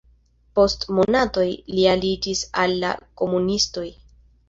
Post monatoj li aliĝis al la komunistoj.